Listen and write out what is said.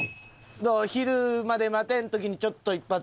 昼まで待てん時にちょっと一発。